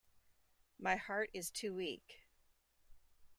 My heart is too weak.